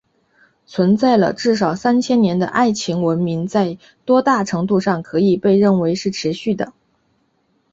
存在了至少三千多年的爱琴文明在多大程度上可以被认为是持续的？